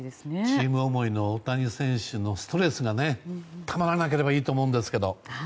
チーム思いの大谷選手のストレスがたまらなければいいと思うんですけど。